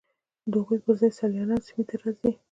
د هغوی پر ځای سیلانیان سیمې ته راځي